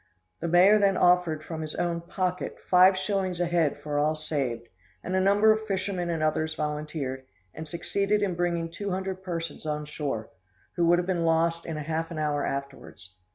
The mayor then offered, from his own pocket, five shillings a head for all saved, and a number of fishermen and others volunteered, and succeeded in bringing two hundred persons on shore, who would have been lost in a half an hour afterwards.